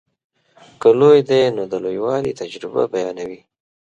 که لوی دی نو د لویوالي تجربه بیانوي.